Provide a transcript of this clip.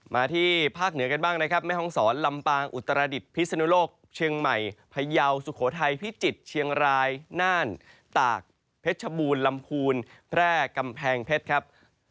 มาที่ภาคเหนือกันบ้างนะครับแม่ห้องศรลำปางอุตรดิษฐ์พิศนุโลกเชียงใหม่พยาวสุโขทัยพิจิตรเชียงรายน่านตากเพชรชบูรลำพูนแพร่กำแพงเพชรครับ